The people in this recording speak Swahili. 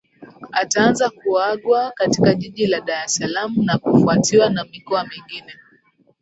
Ataanza kuagwa katika jiji la Dar es Salaam na kufuatiwa na mikoa mingine